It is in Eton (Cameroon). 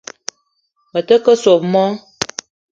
Me ta ke soo moo